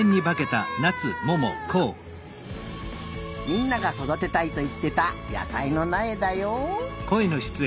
みんながそだてたいといってた野さいのなえだよ。